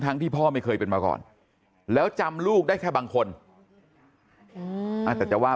ที่พ่อไม่เคยเป็นมาก่อนแล้วจำลูกได้แค่บางคนอาจจะว่า